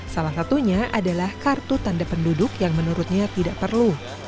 salah satunya adalah kartu tanda penduduk yang menurutnya tidak perlu